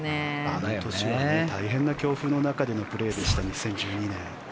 あの年は大変な強風の中でのプレーでした２０１２年。